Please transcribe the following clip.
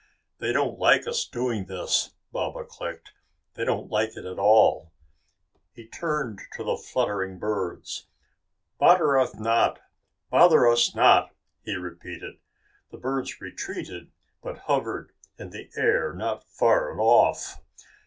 "They don't like us doing this," Baba clicked. "They don't like it at all." He turned to the fluttering birds. "Bother us not! Bother us not!" he repeated. The birds retreated, but hovered in the air not far off.